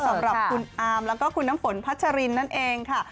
สำหรับคุณอาร์มแล้วก็คุณน้ำฝนพัชรินนั่นเองค่ะ